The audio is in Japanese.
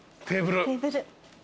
テーブル？